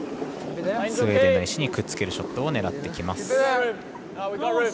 スウェーデンの石にくっつけるショットを狙ってきます。